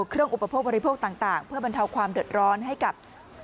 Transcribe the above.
เครื่องอุปกรณ์บริโภคต่างเพื่อบรรเทาความเดิดร้อนให้กับ